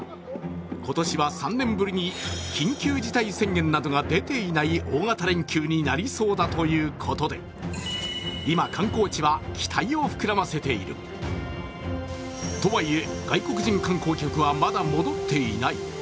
今年は３年ぶりに緊急事態宣言などが出ていない大型連休になりそうだということで今、観光地は期待を膨らませているとはいえ、外国人観光客はまだ戻っていない。